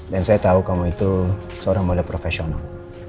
dan saya tau kamu itu seorang model profesional